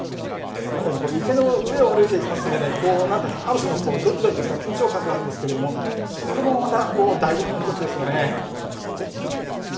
やっぱり池の上を歩いていきますのである種のどきどきした緊張感があるんですけれどもそれもまただいご味の一つですよね。